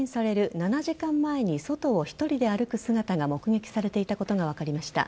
７時間前に外を１人で歩く姿が目撃されていたことが分かりました。